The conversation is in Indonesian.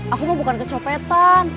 aku mau bukan kecopetan